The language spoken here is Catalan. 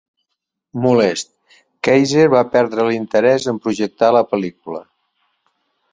Molest, Kayzer va perdre l'interès en projectar la pel·lícula.